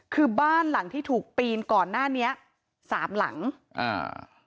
คือบ้านหลังที่ถูกปีนก่อนหน้านี้สามหลังอ่า